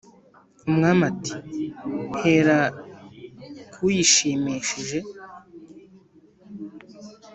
umwami ati"hera kuyishimishije"